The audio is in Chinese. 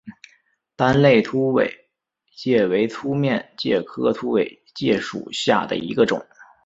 单肋凸尾介为粗面介科凸尾介属下的一个种。